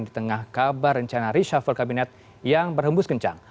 di tengah kabar rencana reshuffle kabinet yang berhembus kencang